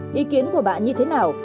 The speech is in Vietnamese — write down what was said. ý kiến của bạn như thế nào